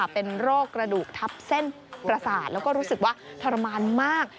เป็นโรคกระดูกทับเส้นประสาทแล้วก็รู้สึกว่าทรมานมาก